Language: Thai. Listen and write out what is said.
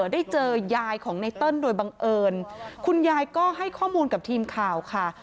ได้เจอยายของไนเติ้ลโดยบังเอิญคุณยายก็ให้ข้อมูลกับทีมข่าวค่ะ